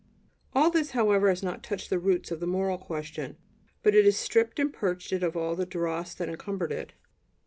All this, however, has not touched the roots of the moral question; but it has stripped and purged it of all the dross that encumbered it.